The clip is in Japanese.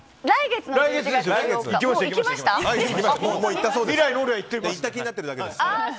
行った気になってるだけです。